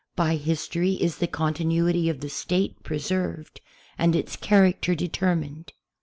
By history is the continuity of the State pre served and its character determined.